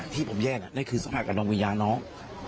ที่ผมแย่นั่นคือสภาพกับดวงวิญญาณน้อง